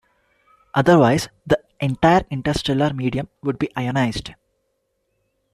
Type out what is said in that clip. Otherwise, the entire interstellar medium would be ionized.